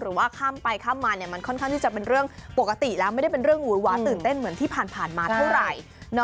ข้ามไปข้ามมามันค่อนข้างที่จะเป็นเรื่องปกติแล้วไม่ได้เป็นเรื่องหวูดหวาตื่นเต้นเหมือนที่ผ่านมาเท่าไหร่